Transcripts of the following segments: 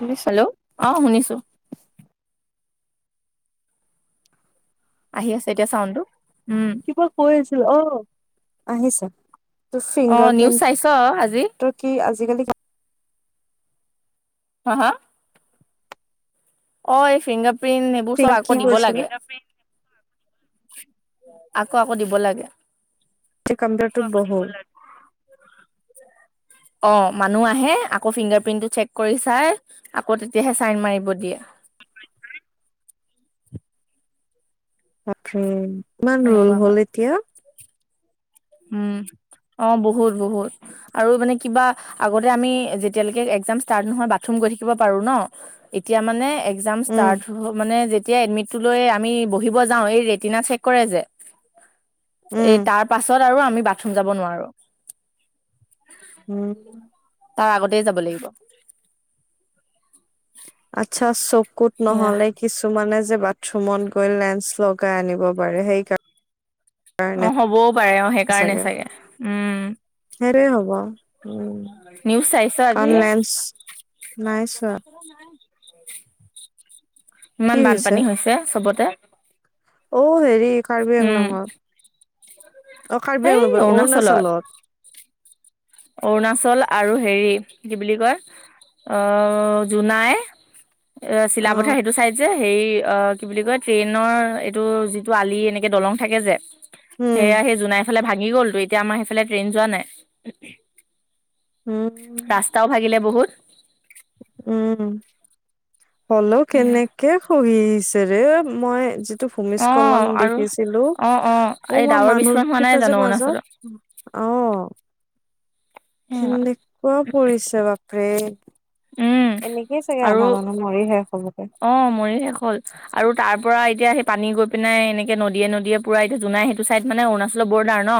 শুনিছ? হেল্ল' অ শুনিছো। আহি আছে এতিয়া চাওনতো। কিবা কৈ আছিল অ আহিছা। ত অ ফিংগাৰ নিউজ চাইছ আজি প্ৰিণ্ট কি আজিকালি হা হা অ এই ফিংগাৰ প্ৰিণ্ট সেইবোৰ চব কি আকৌ দিব কৈছিলি? লাগে আকৌ আকৌ দিব লাগে। কম্পিউটাৰটোত বহুল অ মানুহ আহে আকৌ ফিংগাৰ প্ৰিন্টটো চেক কৰি চাই আকৌ তেতিয়াহে চাইন মাৰিব দিয়ে। [unintelligible] বাপৰে কিমান ৰল সেনেকুৱা হয় হ'ল এতিয়া? উম অ বহুত বহুত আৰু মানে কিবা আগতে আমি যেতিয়ালৈকে এক এক্সাম ষ্টাৰ নহয় বাথৰুম গৈ থাকিব পাৰো ন এতিয়া মানে এক্সাম উম ষ্টাৰ মানে যেতিয়া এতিযা এডমিটটো লৈ আমি বহিব যাওঁ এই ৰেটিনা চেক কৰে যে, এই উম তাৰ পাছ আৰু আমি বাথৰুম যাব নোৱাৰো উম তাৰ আগতে যাব লাগিব। [unintelligible] আচ্ছা চকুত সেয়া নহলে কিছুমানে যে বাথৰুমত গৈ লেন্ঞ্চ লগাই আনিব পাৰে সেইকা অ হ'বও পাৰে অ সেইকাৰণে চাগে উম। সেইটোৱে হব উম নিউজ চাইছ আজি কাৰণ লেন্স নাই চোৱা [unintelligible] ইমান বানপানী হৈছে চবতে। অ হেৰি কাৰ্বি উম আংলংত। অ কাৰ্বি আংলং অৰুণাচলত। অৰুণাচল আৰু হেৰি কি বুলি কয় আহ জোনাই অ অ চিলাপথাৰ সেইটো চাইদ যে হেৰি অ কি বুলি কয় ট্ৰেইনৰ এইটো যিটো আলি এনেকে দলং থাকে যে উম সেয়া সেই জোনাইফালে ভাঙি গ'লতো এতিয়া আমাৰ সেইফালে ট্ৰেইন যোৱা নাই। উম ৰাস্তাও ভাগিলে বহুত। উম হ'লেও কেনেকে খহিছে। যে মই। টো অ ভূমিস্খলন আৰু দেখিছিলো অ অ এই মই ডাৱৰ বিস্ফোৰণ হোৱা মানুহিত নাই যে জানো মাজত। অৰুণাচলত অঁ। কেনেকুৱা পৰিছে বাপৰে উম এনেকেই চাগে আৰু আধা মানুহ মৰি শেষ হ'বগে। আৰু মৰি শেষ হ'ল আৰু তাৰ পৰা এতিয়া সেই পানী গৈ পিাই এনেকে নদীয়ে নদীয়ে পুৰা এতিয়া জাই সেইটো চাইদ মানে অৰুণাচলৰ বৰ্ডাৰ ন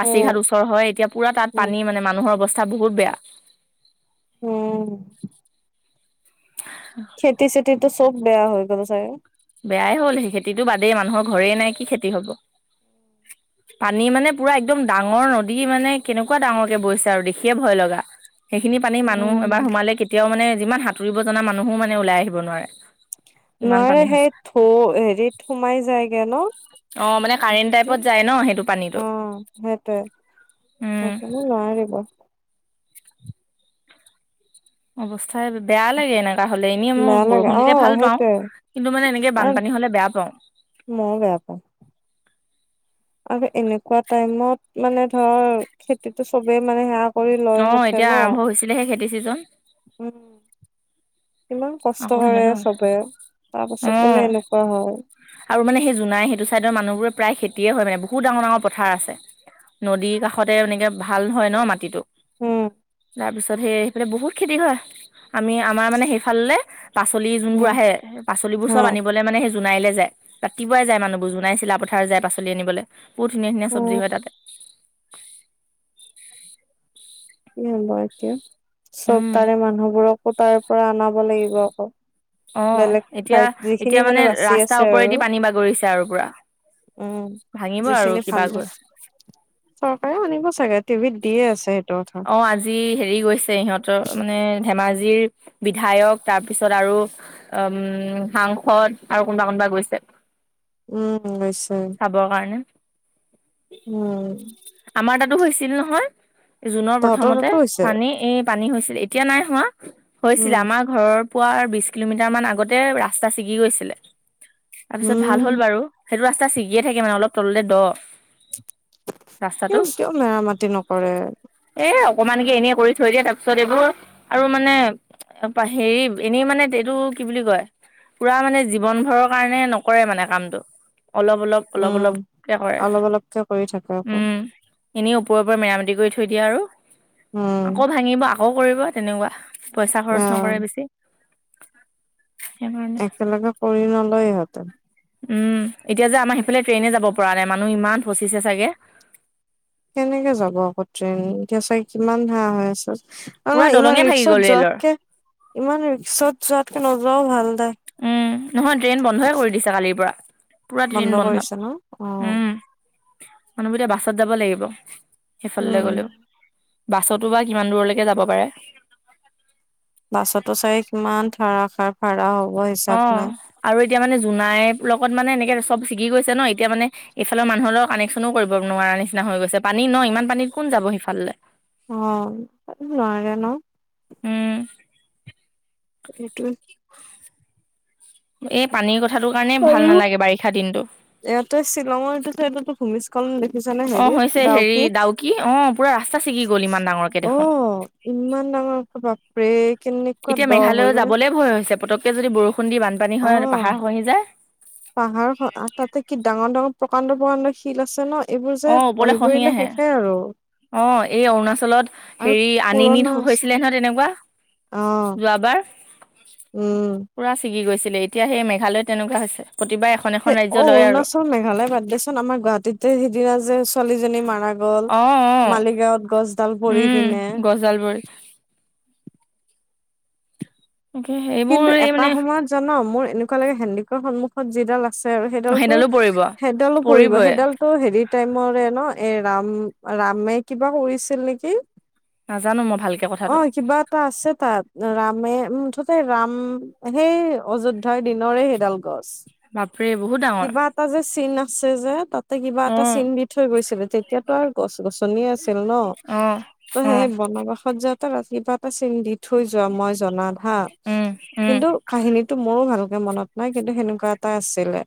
পাচি উম, ঘাট ওচৰ হয় এতিয়া পুৰা তাত উম, পানী মানে মানুহৰ অৱস্থা বহুত বেয়া উম খেতি চেতিটো চব বেয়া হৈ গ'ল চাগে বেয়াই হ'ল সেই খেতিতটো বাদেই মানুহৰ ঘৰেই নাই কি খেতি হব [unintelligible] পানী মানে পুৰা একদম ডাঙৰ নদী মানে কেনেকুৱা ডাঙৰকে বৈছে আৰু দেখিয়ে ভয় লগা সেইখিনি পানী মানুহ উম, এবাৰ সোমালে কেতিয়াও মানে যিমান সাঁতুৰিব জনা মানুহো মানে ওলাই আহিব নোৱাৰে ইমান নোৱাৰাৰে পানী হৈছে সেই থৌ হেৰিত সুমাই যায়গে ন মানে অ কাৰেণ্ট টাইপত যায় ন সেইটো পানীটো সেইটোৱে উম তাকে লৰাই দিব অৱস্থাই বেয়া লাগে এনেককা হলে এনেই মই বেয়া লাগে বৰষুণ দিতে ভাল অ' পাও সেইটোৱে কিন্তু মানে এনেকে বানপানী হলে বেয়া পাওঁ ময়ো বেয়া পাওঁ আৰু এনেকুৱা টাইমত মানে ধৰ খেতিতটো চবেই মানে সেয়া কৰি লৈ অ' মুঠে এতিয়া ন আৰম্ভ হৈছিলেহে খেতি ছিজন উম ইমান আকৌ কষ্ট কৰে সেনেকে হয় চবে তাৰ পাছত অ' বোলে এনেকুৱা হয় আৰু মানে সেই জোনাই সেইটো চাইদৰ মানুহবোৰে প্ৰায় খেতিয়ে হয় মানে বহুত ডঙৰ ডাঙৰ পথাৰ আছে নদীৰ কাষতে এনেকে ভাল হয় ন মাটিটো উম, তাৰপিছত সেই সেইফালে বহুত খেতি হয় আমি আমাৰ মানে সেইফাললে পাচলি যোনবোৰ উম, আহে পালিবোৰ হা চব আনিবলৈ মানে সেই জোনাইলৈ যায় ৰাতিপুৱাই যায় মানুহবোৰ জোনাই চিলা পথা- -থাৰ যায় পাচলি আনিবলৈ বহুত ধুনীয়া ধুনীয়া চব্জি হয় উম, তাতে কি হব এতিয়া চব উম তাৰে মানুহবোৰকো তাৰে পৰা অনাব লাগিব আকৌ অ', বেলেগ এতিয়া ঠাইত যিখিনি এতিয়া মানে বাচি ৰাস্তাৰ আছে আৰু ওপৰেদি পানী বাগৰিছে আৰু পুৰা। উম ভাঙিব আৰু যিখিনি ভাল কিবা গৈ দেখ চৰকাৰেও আনিব চাগে টিভিত দিয়ে আছে কথা। অ আজি হেৰি গৈছে সিহঁতৰ মানে ধেমাজিৰ বিধায়ক তাৰপিছত আৰু উম সাংসদ আৰু কোনোবা কোনোবা গৈছে উম নিশ্চয় চাবৰ কাৰণে। আমাৰ তাতো হৈছিল নহয় জুনৰ তহঁতৰ প্ৰথমতে তাতো হৈছে পানী এই পানী হৈছিল এতিয়া নাই হোৱা উম, হৈছিলে আমাৰ ঘৰৰ পোৱাৰ বিশ কিলোমিটাৰ মান আগতে ৰাস্তা ছিগি গৈছিলে তাৰপিছত ভাল উম। হ'ল বাৰু সেইটো ৰাস্তা ছিগিয়ে থাকে মানে অলপ তললে দ' ৰাস্তাটো। কিয় মেৰামতি নকৰে এ অকমানকে এনে কৰি থৈ দিয়ে তাৰ পিছত এইবোৰ আৰু মানে হেৰি এনেই মানে এইটো কি বুলি কয় পুৰা মানে জীৱন ভৰৰ কাৰণে নকৰে মানে কামটো অলপ অলপ অলপ উম অলপকে কৰে অলপ অলপকে কৰি থাকে আকৌ উম এনেও মেৰামতি কৰি থৈ দিয়ে আৰু উম আকৌ ভাঙিব আকৌ কৰিব তেনেকুৱা পইচা খৰচ অ নকৰে বেছি সেইকাৰণে একেলগে কৰি নলয় ইহঁতে উম এতিয়া যে আমাৰ সিফালে ট্ৰেইনে যাব পৰা নাই মানুহ ইমান ফচিছে চাগে কেনেকে যাব আকৌ ট্ৰেইন এতিয়া চাগে কিমান [unintelligible] হৈ আছে আৰু পুৰা নহয় ইমান দলঙে ভাগি গ'ল ৰিক্সত ৰেলৰ যোৱাতকে ইমান ৰিক্সত যোৱাতকে নোযোৱাও ভাল দে উম নহয় ট্ৰেইন বন্ধয়ে কৰি দিছে কালিৰ পৰা পুৰা ট্ৰেইন বন্ধ কৰিছে ন অ উম মানুহবোৰ এতিয়া বাছত যাব লাগিব সেইফাললৈ উম গলেও বাছতো বা কিমান দূৰলৈকে যাব পাৰে। বাছতো চাগে কিমান ধাৰাসাৰ ভাড়া হ'ব। অ, হিচাপ নাই আৰু এতিয়া মানে জোনাই লগত মানে এনেকে চব ছিগি গৈছে ন এতিয়া মানে এইফালৰ মানুহৰ লগত কানেকচনো কৰিব নোৱাৰা। নিচিনা হৈ গৈছে পানী ন ইমান পানীত কোন যাব সেইফাললে। অ, নোৱাৰে ন। উম সেইটোৱে। এই পানীৰ কথাটো কাৰণে ভাল আৰু নালাগে বাৰিষা দিনটো। ইয়াতে অঁ [unintelligible] হৈছে হেৰি ডাউকীত, ডাউকি অঁ পুৰা ৰাস্তা ছিগি গ'ল ইমান ডাঙৰকে দেখোন অ' ইমান ডাঙৰ বাপৰে কেনেকুৱা দ হয় মানে। পটকৈ যদি বৰষুণ দি বানপানী অ, হয় পাহাৰ খহি যায় পাহাৰ তাতে কি ডাঙৰ ডাঙৰ প্ৰকাণ্ড প্ৰকাণ্ড শিল আছে ন এইবোৰ যে খহি পৰিলে শেষে আৰু। অ, এই অৰুণাচলত আৰু হেৰি আনিনিত পুৰণা হৈছে হৈছিলে নহয় তেনেকুৱা। অ', যোৱাবাৰ, উম, পুৰা ছিগি গৈছিল। এতিয়া সেই মেঘালয়ত তেনেকুৱা হৈছে। প্ৰতিবাৰ এখন এখন অ, ৰাজ্য লয় আৰু অৰুণাচল মেঘালয় বাদ দেচোন আমাৰ গুৱাহাটীতে সিদিনা যে ছোৱালীজনী মাৰা গ'ল। অ অ মালিগাঁৱত গছডাল পৰি উম পিনে। গছডালবোৰ তাকে এইবোৰ কিন্তু এই এটা মানে সময়ত জান মোৰ এনেকুৱা লাগে হেণ্ডিকৰ সন্মুখত যিডাল আছে আৰু সেইডালটো সেইডালো পৰিব সেইডালো পৰিব,। পৰিবই সেইডালটো হেৰিত টাইমৰে ন এই ৰাম ৰামে কিবা কৰিছিল নেকি? নাজানো মই ভালকে অ কথাটো কিবা এটা আছে তাত ৰামে ৰাম সেই অযোধ্যাৰ দিনৰে সেইডাল গত বাপৰে বহুত ডাঙৰ কিবা এটা যে চন আছে যে তাতে কিবা অ এটা চিন বি থৈ গৈছিলে তেতিয়া এতিয়াতো আৰু গছ গছনিয়ে আছিল ন অ ত অ সেইেই বনবাসত যে কিতা এটা চিন দি থৈ যোৱা মই জনাত হা উম উম কিন্তু কাহিনীটো মোৰ ভালকে মনত নাই কিন্তু সেনেকুৱা এটা আছিলে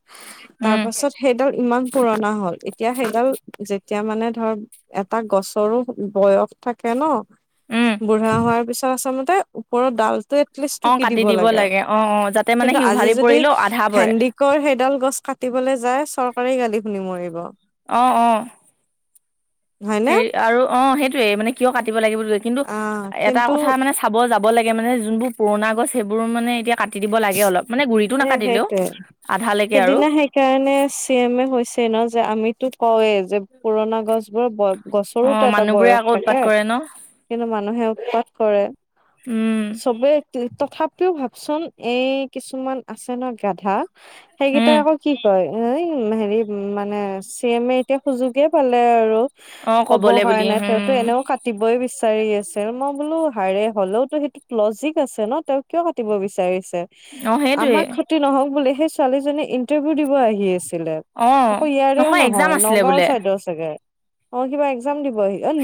তাৰ উম পাছত সেইডাল ইমান পুৰণা হ'ল এতিয়া সেইগাল যেতিয়া মানে ধৰ এটা গছৰো বয়স থাকে ন উম বুঢ়া হোৱাৰ পিছত আচলতে ওপৰৰত ডালটোত অ ইষ্টটো কি কাটি দিব লাগে। অ অ যাতে মানে কিন্তু সি আজি উভালি যদি পৰিলেও আধা পৰে হেনদিৰক হেইদাল গছ কাটি। যাই চৰকাৰে গালি শুনি মৰিব। অ', অ', হয়নে হেৰি আৰু অ সেইটোয়ে মানে কিয় কাটিব লাগেনো। কিন্তু অ এটা কিন্তু কথা মানে চাব যাব কাটিব লাগে জোনবোৰ পূৰণা গছ সেই বোৰ মানে কা। এ সেইটোয়ে, আধালৈকে আৰু সেইদিনা সেইকাৰণে চি এম এ কৈছে। ন যে আমিতো কওঁয়ে যে পুৰণা গছ বোৰে ব অঁ গছৰতো এটা মানুহবোৰে বয়স আকৌ উৎপাত থাকে কৰে ন কিন্তু মানুহে উৎপাত কৰে। উম চবে তথাপিও ভাগ চোন এই কিছুমান আছে ন গাধা সেইকেইটাই উম আকৌ কি কয় এ হেৰি মানে চি এম এ এতিয়া সুযোগে পালে আৰু অঁ ক'ব ক'বলে বুলি কাৰণে তেওঁতো উম এনেও কাটিবই বিচা বিচাৰি আছে মই বোলো হাৰে হলেওতো সেইটোত লজিক আছে ন তেওঁ কিয় কাটিব বিচাৰিছে অঁ সেইটোৱে আমাৰ ক্ষতি নহ'ক বুলি সেই ছোৱালীজনী ইন্টাৰভিউ দিব আহি আছে। অঁ আকৌ ইয়াৰো এক্জাম নহয় আছিলে নগাঁও বোলে চাইডৰ চাগে। অ কিবা এক্সাম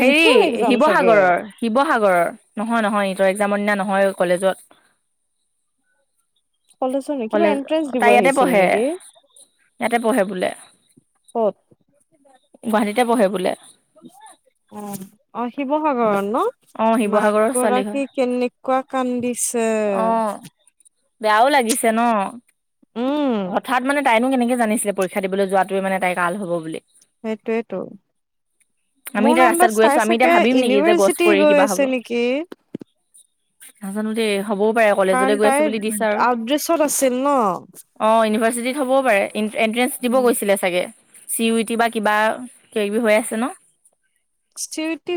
হেৰি শিৱসাগৰৰ, শিৱসাগৰৰ নহয় নহয় ই তৰ এক্জামৰ দিনা নহয়। কলেজত কলেজৰ নে কিবা কলেজ এন্ট্ৰেন্ঞ্চ দিব তাই ইয়াতে আহিছিল পঢ়ে নেকি। ইয়াতে পঢ়ে বোলে ক'ত গুৱাহাটীতে পঢ়ে বোলে। অ অ শিৱসাগৰত ন অঁ মাক শিৱসাগৰৰ ছোৱালী হয় গৰাকী কেনেকুৱা কান্দিছে অঁ বেয়াও লাগিছে ন উম হঠাৎ মানে তাইনো কেনেকে জানিছিলে পৰীক্ষা দিবলৈ যোৱাটোৱে মানে তাই কাল হ'ব বুলি সেইটোয়েইটো আমি মোৰ এতিয়া নামন্দ ৰাস্তাত গৈ আছো চাই আমি এতিয়া চাগে ভাবিম নেকি যে গছ ইউনিভাৰ্চিটি পৰি গৈ কিবা হ'ব আছে নেকি নাজানো দেই হ'বও পাৰে কাৰণ কলেজলৈ গৈ আছো তাই বুলি দিছা আৰু আউটড্ৰেছত আছিল ন অ', ইউনিভাৰ্চিটিত হ'বও পাৰে এণ্ট্ৰেন্ঞ্চ দিব উম গৈছিলে চাগে চি ইউইটি বা কিবা কিবি হৈ আছে ন [inaudible]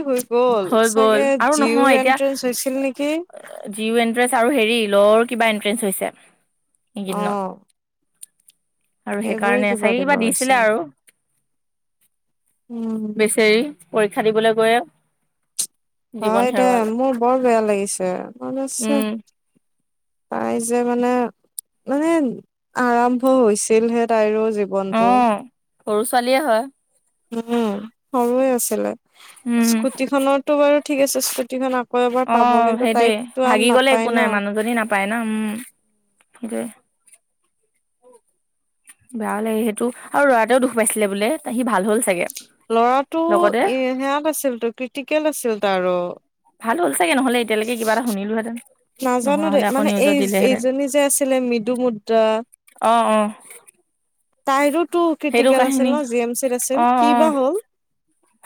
হৈ গল হৈ গ'ল চাগে আৰু নহয় জিউৰ এতিয়া এন্ট্ৰেস হৈছিল নেকি জি ইউ এন্ট্ৰেন্ঞ্চ আৰু হেৰি লৰ কিবা এন্ট্ৰেঞ্চ হৈছে। এইকেইদিনত অ', আৰু সেইবোৰে সেইকাৰণে চাগে দিব কিবা হৈছে দিছিলে আৰু উম বেচেৰি পৰীক্ষা দিবলৈ গৈয়ে জীৱন হয় দে হেৰুৱালে মোৰ বৰ বেয়া লাগিছে মানে চে উম তাই যে মানে- মানে আৰম্ভ হৈছিলহে তাইৰো অ জীৱনটো সৰু ছোৱালীয়ে হয়। উম, সৰুৱে আছিলে উম স্কুটি খনৰতো বাৰু ঠিক আছে স্কুটিখন আকৌ এবাৰ অ, পাব কিন্তু সেইটোৱে তাইকতো আন ভাগি গলে নাপায় একো ন। নাই মানুহজনী নাপ পায় ন উম, দে। বেয়াও লাগে সেইটো আৰু ল'ৰাটও দুখ পাইছিলে বোলে ত আহি ভাল হ'ল চাগে। ল'ৰাটো লগতে এ সেয়াত আছিল তো ক্ৰিটিকেল আছিল তাৰো। ভাল হ'ল চাগে নহ'লে এতিয়ালৈকে কিবা এটা শুনিলোহেঁতেন। নাজানো নোহোৱা দেই, হ'লে আকৌ মানে নিউজত এই দিলেহেঁতেন এইজনী যে আছিলে মৃদু মুদ্ৰা। অ, অ'। তাইৰোতো সেইটো ক্ৰিটিকেল কাহিনী আছিল ন জি এম চিত আছিল অ' কি বা অ' হ'ল?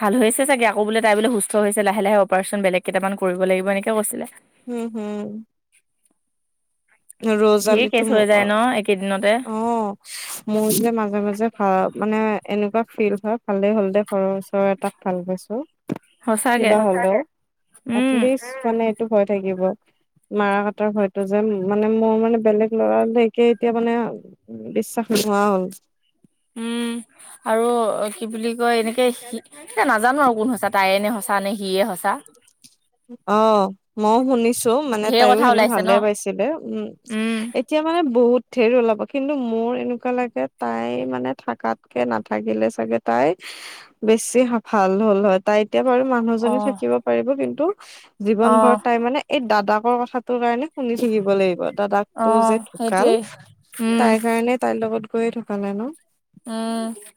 ভাল হৈছে চাগে। আকৌ বোলে তাই বোলে সুস্থ হৈছে লাহে লাহে অপাৰেচন বেলেগ কেটামান কৰিব লাগিব এনেকে কৈছিলে। উম হুম। ৰজ ধেৰ আলিতো কেচ ম হৈ অ। যায় ন একেইদিনতে অ, মোৰ যে মাজে মাজে ভাল মানে। এনেকুৱা ফিল হয়, ভালেই হ'ল দে ঘৰৰ ওচৰৰ এটাক ভাল পাইছো। সঁচাকে কিবা হ'লে, উম এটলিষ্ট মানে এইটো হৈ থাকিব, মাহঁতৰ ঘৰতো যেন মানে মোৰ মানে বেলেগ ল'ৰা একে এতিয়া মানে বিশ্বাস নোহোৱা হ'ল। [inaudible] উম আৰু কি বুলি কয়, এনেকে সি এয়া নাজানো আৰু কোন সঁচা তাইয়ে নে সঁচা নে সিয়ে সঁচা। অ, মই শুনিছো। মানে ঢেৰ তাইও কথা হেনো ওলাইছে ন ভালে পাইছিলে। উম উম এতিয়া মানে বহুত ঢেৰ ওলাব, কিন্তু মোৰ এনেকুৱা লাগে তাই মানে থাকাতকে নাথাকিলে চাগে তাই বেছি ভাল হ'ল হয়, তাই এতিয়া বাৰু অ মানুহজনী থাকিব পাৰিব, কিন্তু অ জীৱন ভৰত তাই মানে এই দাদাক ৰ কথাটোৰ কাৰণে শুনি থাকিব লাগিব। অ দাদাকটো যে সেইটোৱে ঢুকাল উম তাইৰ কাৰণে তাইৰ লগত গৈয়ে ঢুকালে ন। উম।